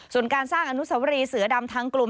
ส่วนการสร้างอนุสวรีเสือดำทั้งกลุ่ม